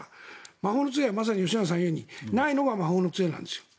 魔法の杖はまさに吉永さんが言うようにないのが魔法の杖なんです。